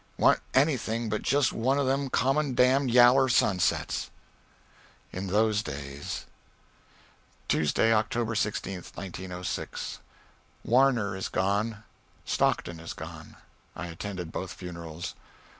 It wa'n't anything but jest one of them common damned yaller sunsets." In those days [Tuesday, October 16, 1906.] ... Warner is gone. Stockton is gone. I attended both funerals.